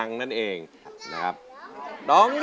แกกลัว